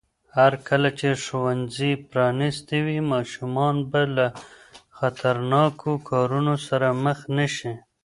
هرکله چې ښوونځي پرانیستي وي، ماشومان به له خطرناکو کارونو سره مخ نه شي.